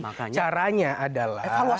nah caranya adalah